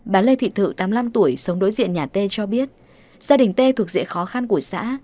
bà lê thị thự tám mươi năm tuổi sống đối diện nhà tê cho biết gia đình tê thuộc dễ khó khăn của xã